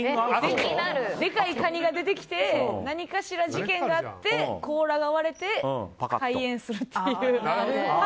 でかい蟹が出てきて何かしら事件があって甲羅が割れて、開演するっていう。